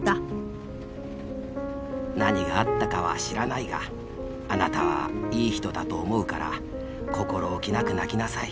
何があったかは知らないがあなたはいい人だと思うから心おきなく泣きなさい。